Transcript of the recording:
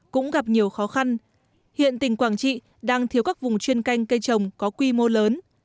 cũng gặp nhiều khó khăn hiện tỉnh quảng trị đang thiếu các vùng chuyên canh cây trồng có quy mô lớn